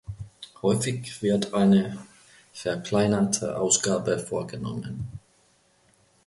Häufig wird eine verkleinerte Ausgabe vorgenommen.